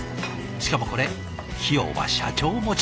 しかもこれ費用は社長持ち。